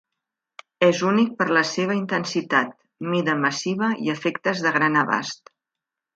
És únic per la seva intensitat, mida massiva i efectes de gran abast.